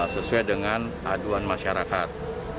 sesuai dengan aduan masyarakat